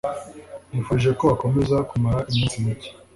Nkwifurije ko wakomeza kumara iminsi mike.